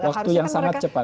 waktu yang sangat cepat